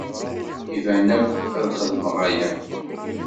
Iban akk ad xedmeɣ aya.